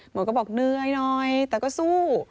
หมดก็บอกเหนื่อยแต่ก็สู้